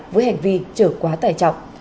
với hành vi trở quá tải trọng